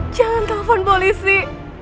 jangan telfon polisi